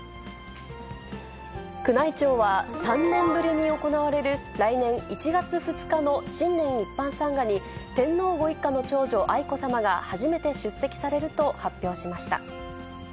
宮内庁は、３年ぶりに行われる来年１月２日の新年一般参賀に、天皇ご一家の長女、愛子さまが初めて出席されると発表しました。